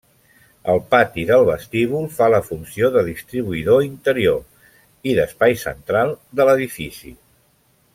El pati del vestíbul fa la funció de distribuïdor interior i d'espai central de l'edifici.